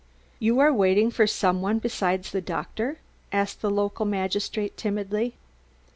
"You are waiting for some one besides the doctor?" asked the local magistrate timidly.